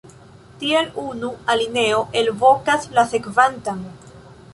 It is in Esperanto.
Tiel unu alineo elvokas la sekvantan.